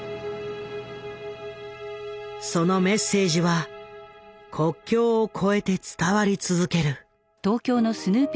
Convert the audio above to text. そのメッセージは国境を超えて伝わり続ける。